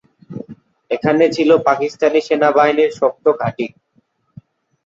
এখানে ছিল পাকিস্তান সেনাবাহিনীর শক্ত ঘাঁটি।